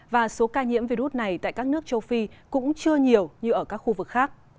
và số ca nhiễm virus này tại các nước châu phi cũng chưa nhiều như ở các khu vực khác